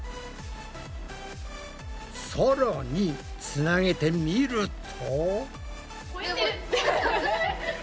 さらにつなげてみると。